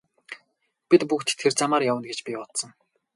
Бид бүгд тэр замаар явна гэж би бодсон.